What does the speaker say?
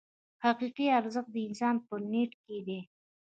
حقیقي ارزښت د انسان په نیت کې دی.